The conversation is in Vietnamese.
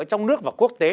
trong nước và quốc tế